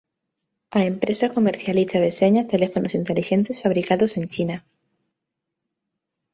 A empresa comercializa e deseña teléfonos intelixentes fabricados en China.